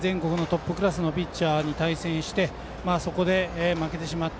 全国トップクラスのピッチャーを相手にそこで負けてしまった。